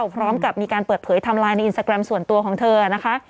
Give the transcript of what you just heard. พร้อมกับมีการเปิดเผยไทม์ไลน์ในอินสตาแกรมส่วนตัวของเธอนะคะ